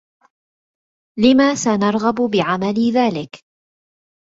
لم سنرغب بعمل ذلك؟